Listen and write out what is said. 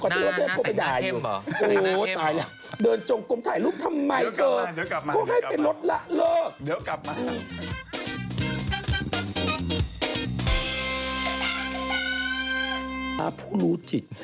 ตอนนี้ราชาเข้าไปด่ายอยู่